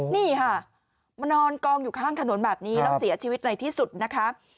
นี่ค่ะมานอนกองอยู่ข้างถนนแบบนี้แล้วเสียชีวิตในที่สุดนะคะ